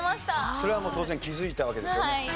それはもう当然気づいたわけですよね。